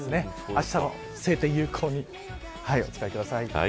あしたの晴天を有効にお使いください。